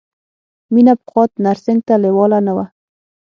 مینه پخوا نرسنګ ته لېواله نه وه